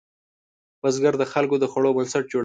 بزګر د خلکو د خوړو بنسټ جوړوي